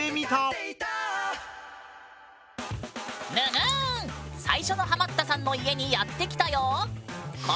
最初のハマったさんの家にやって来たよ。